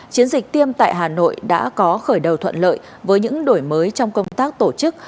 chiến dịch tiêm tại hà nội đã có khởi đầu thuận lợi với những đổi mới trong công tác tổ chức